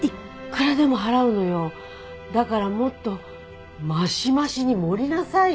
だからもっとマシマシに盛りなさいよ。